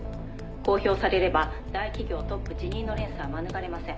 「公表されれば大企業トップ辞任の連鎖は免れません」